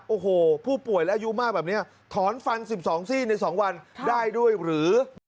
โอ้โหผู้ป่วยและอายุมากแบบนี้ถอนฟัน๑๒ซี่ใน๒วันได้ด้วยหรือ